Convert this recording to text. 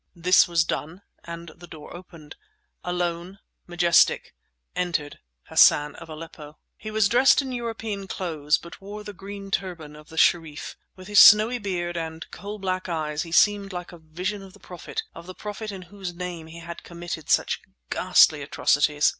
This was done, and the door opened. Alone, majestic, entered Hassan of Aleppo. He was dressed in European clothes but wore the green turban of a Sherif. With his snowy beard and coal black eyes he seemed like a vision of the Prophet, of the Prophet in whose name he had committed such ghastly atrocities.